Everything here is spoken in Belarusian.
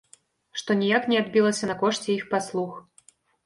Што ніяк не адбілася на кошце іх паслуг.